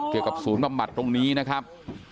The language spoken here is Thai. เกี่ยวกับศูนย์บำบัดตรงนี้นะครับ